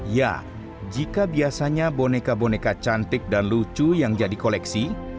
ya jika biasanya boneka boneka cantik dan lucu yang jadi koleksi